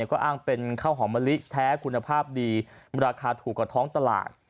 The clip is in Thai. ก็อ้างเป็นข้าวหอมมะลิแท้คุณภาพดีราคาถูกกว่าท้องตลาด